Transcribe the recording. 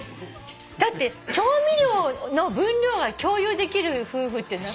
だって調味料の分量が共有できる夫婦って。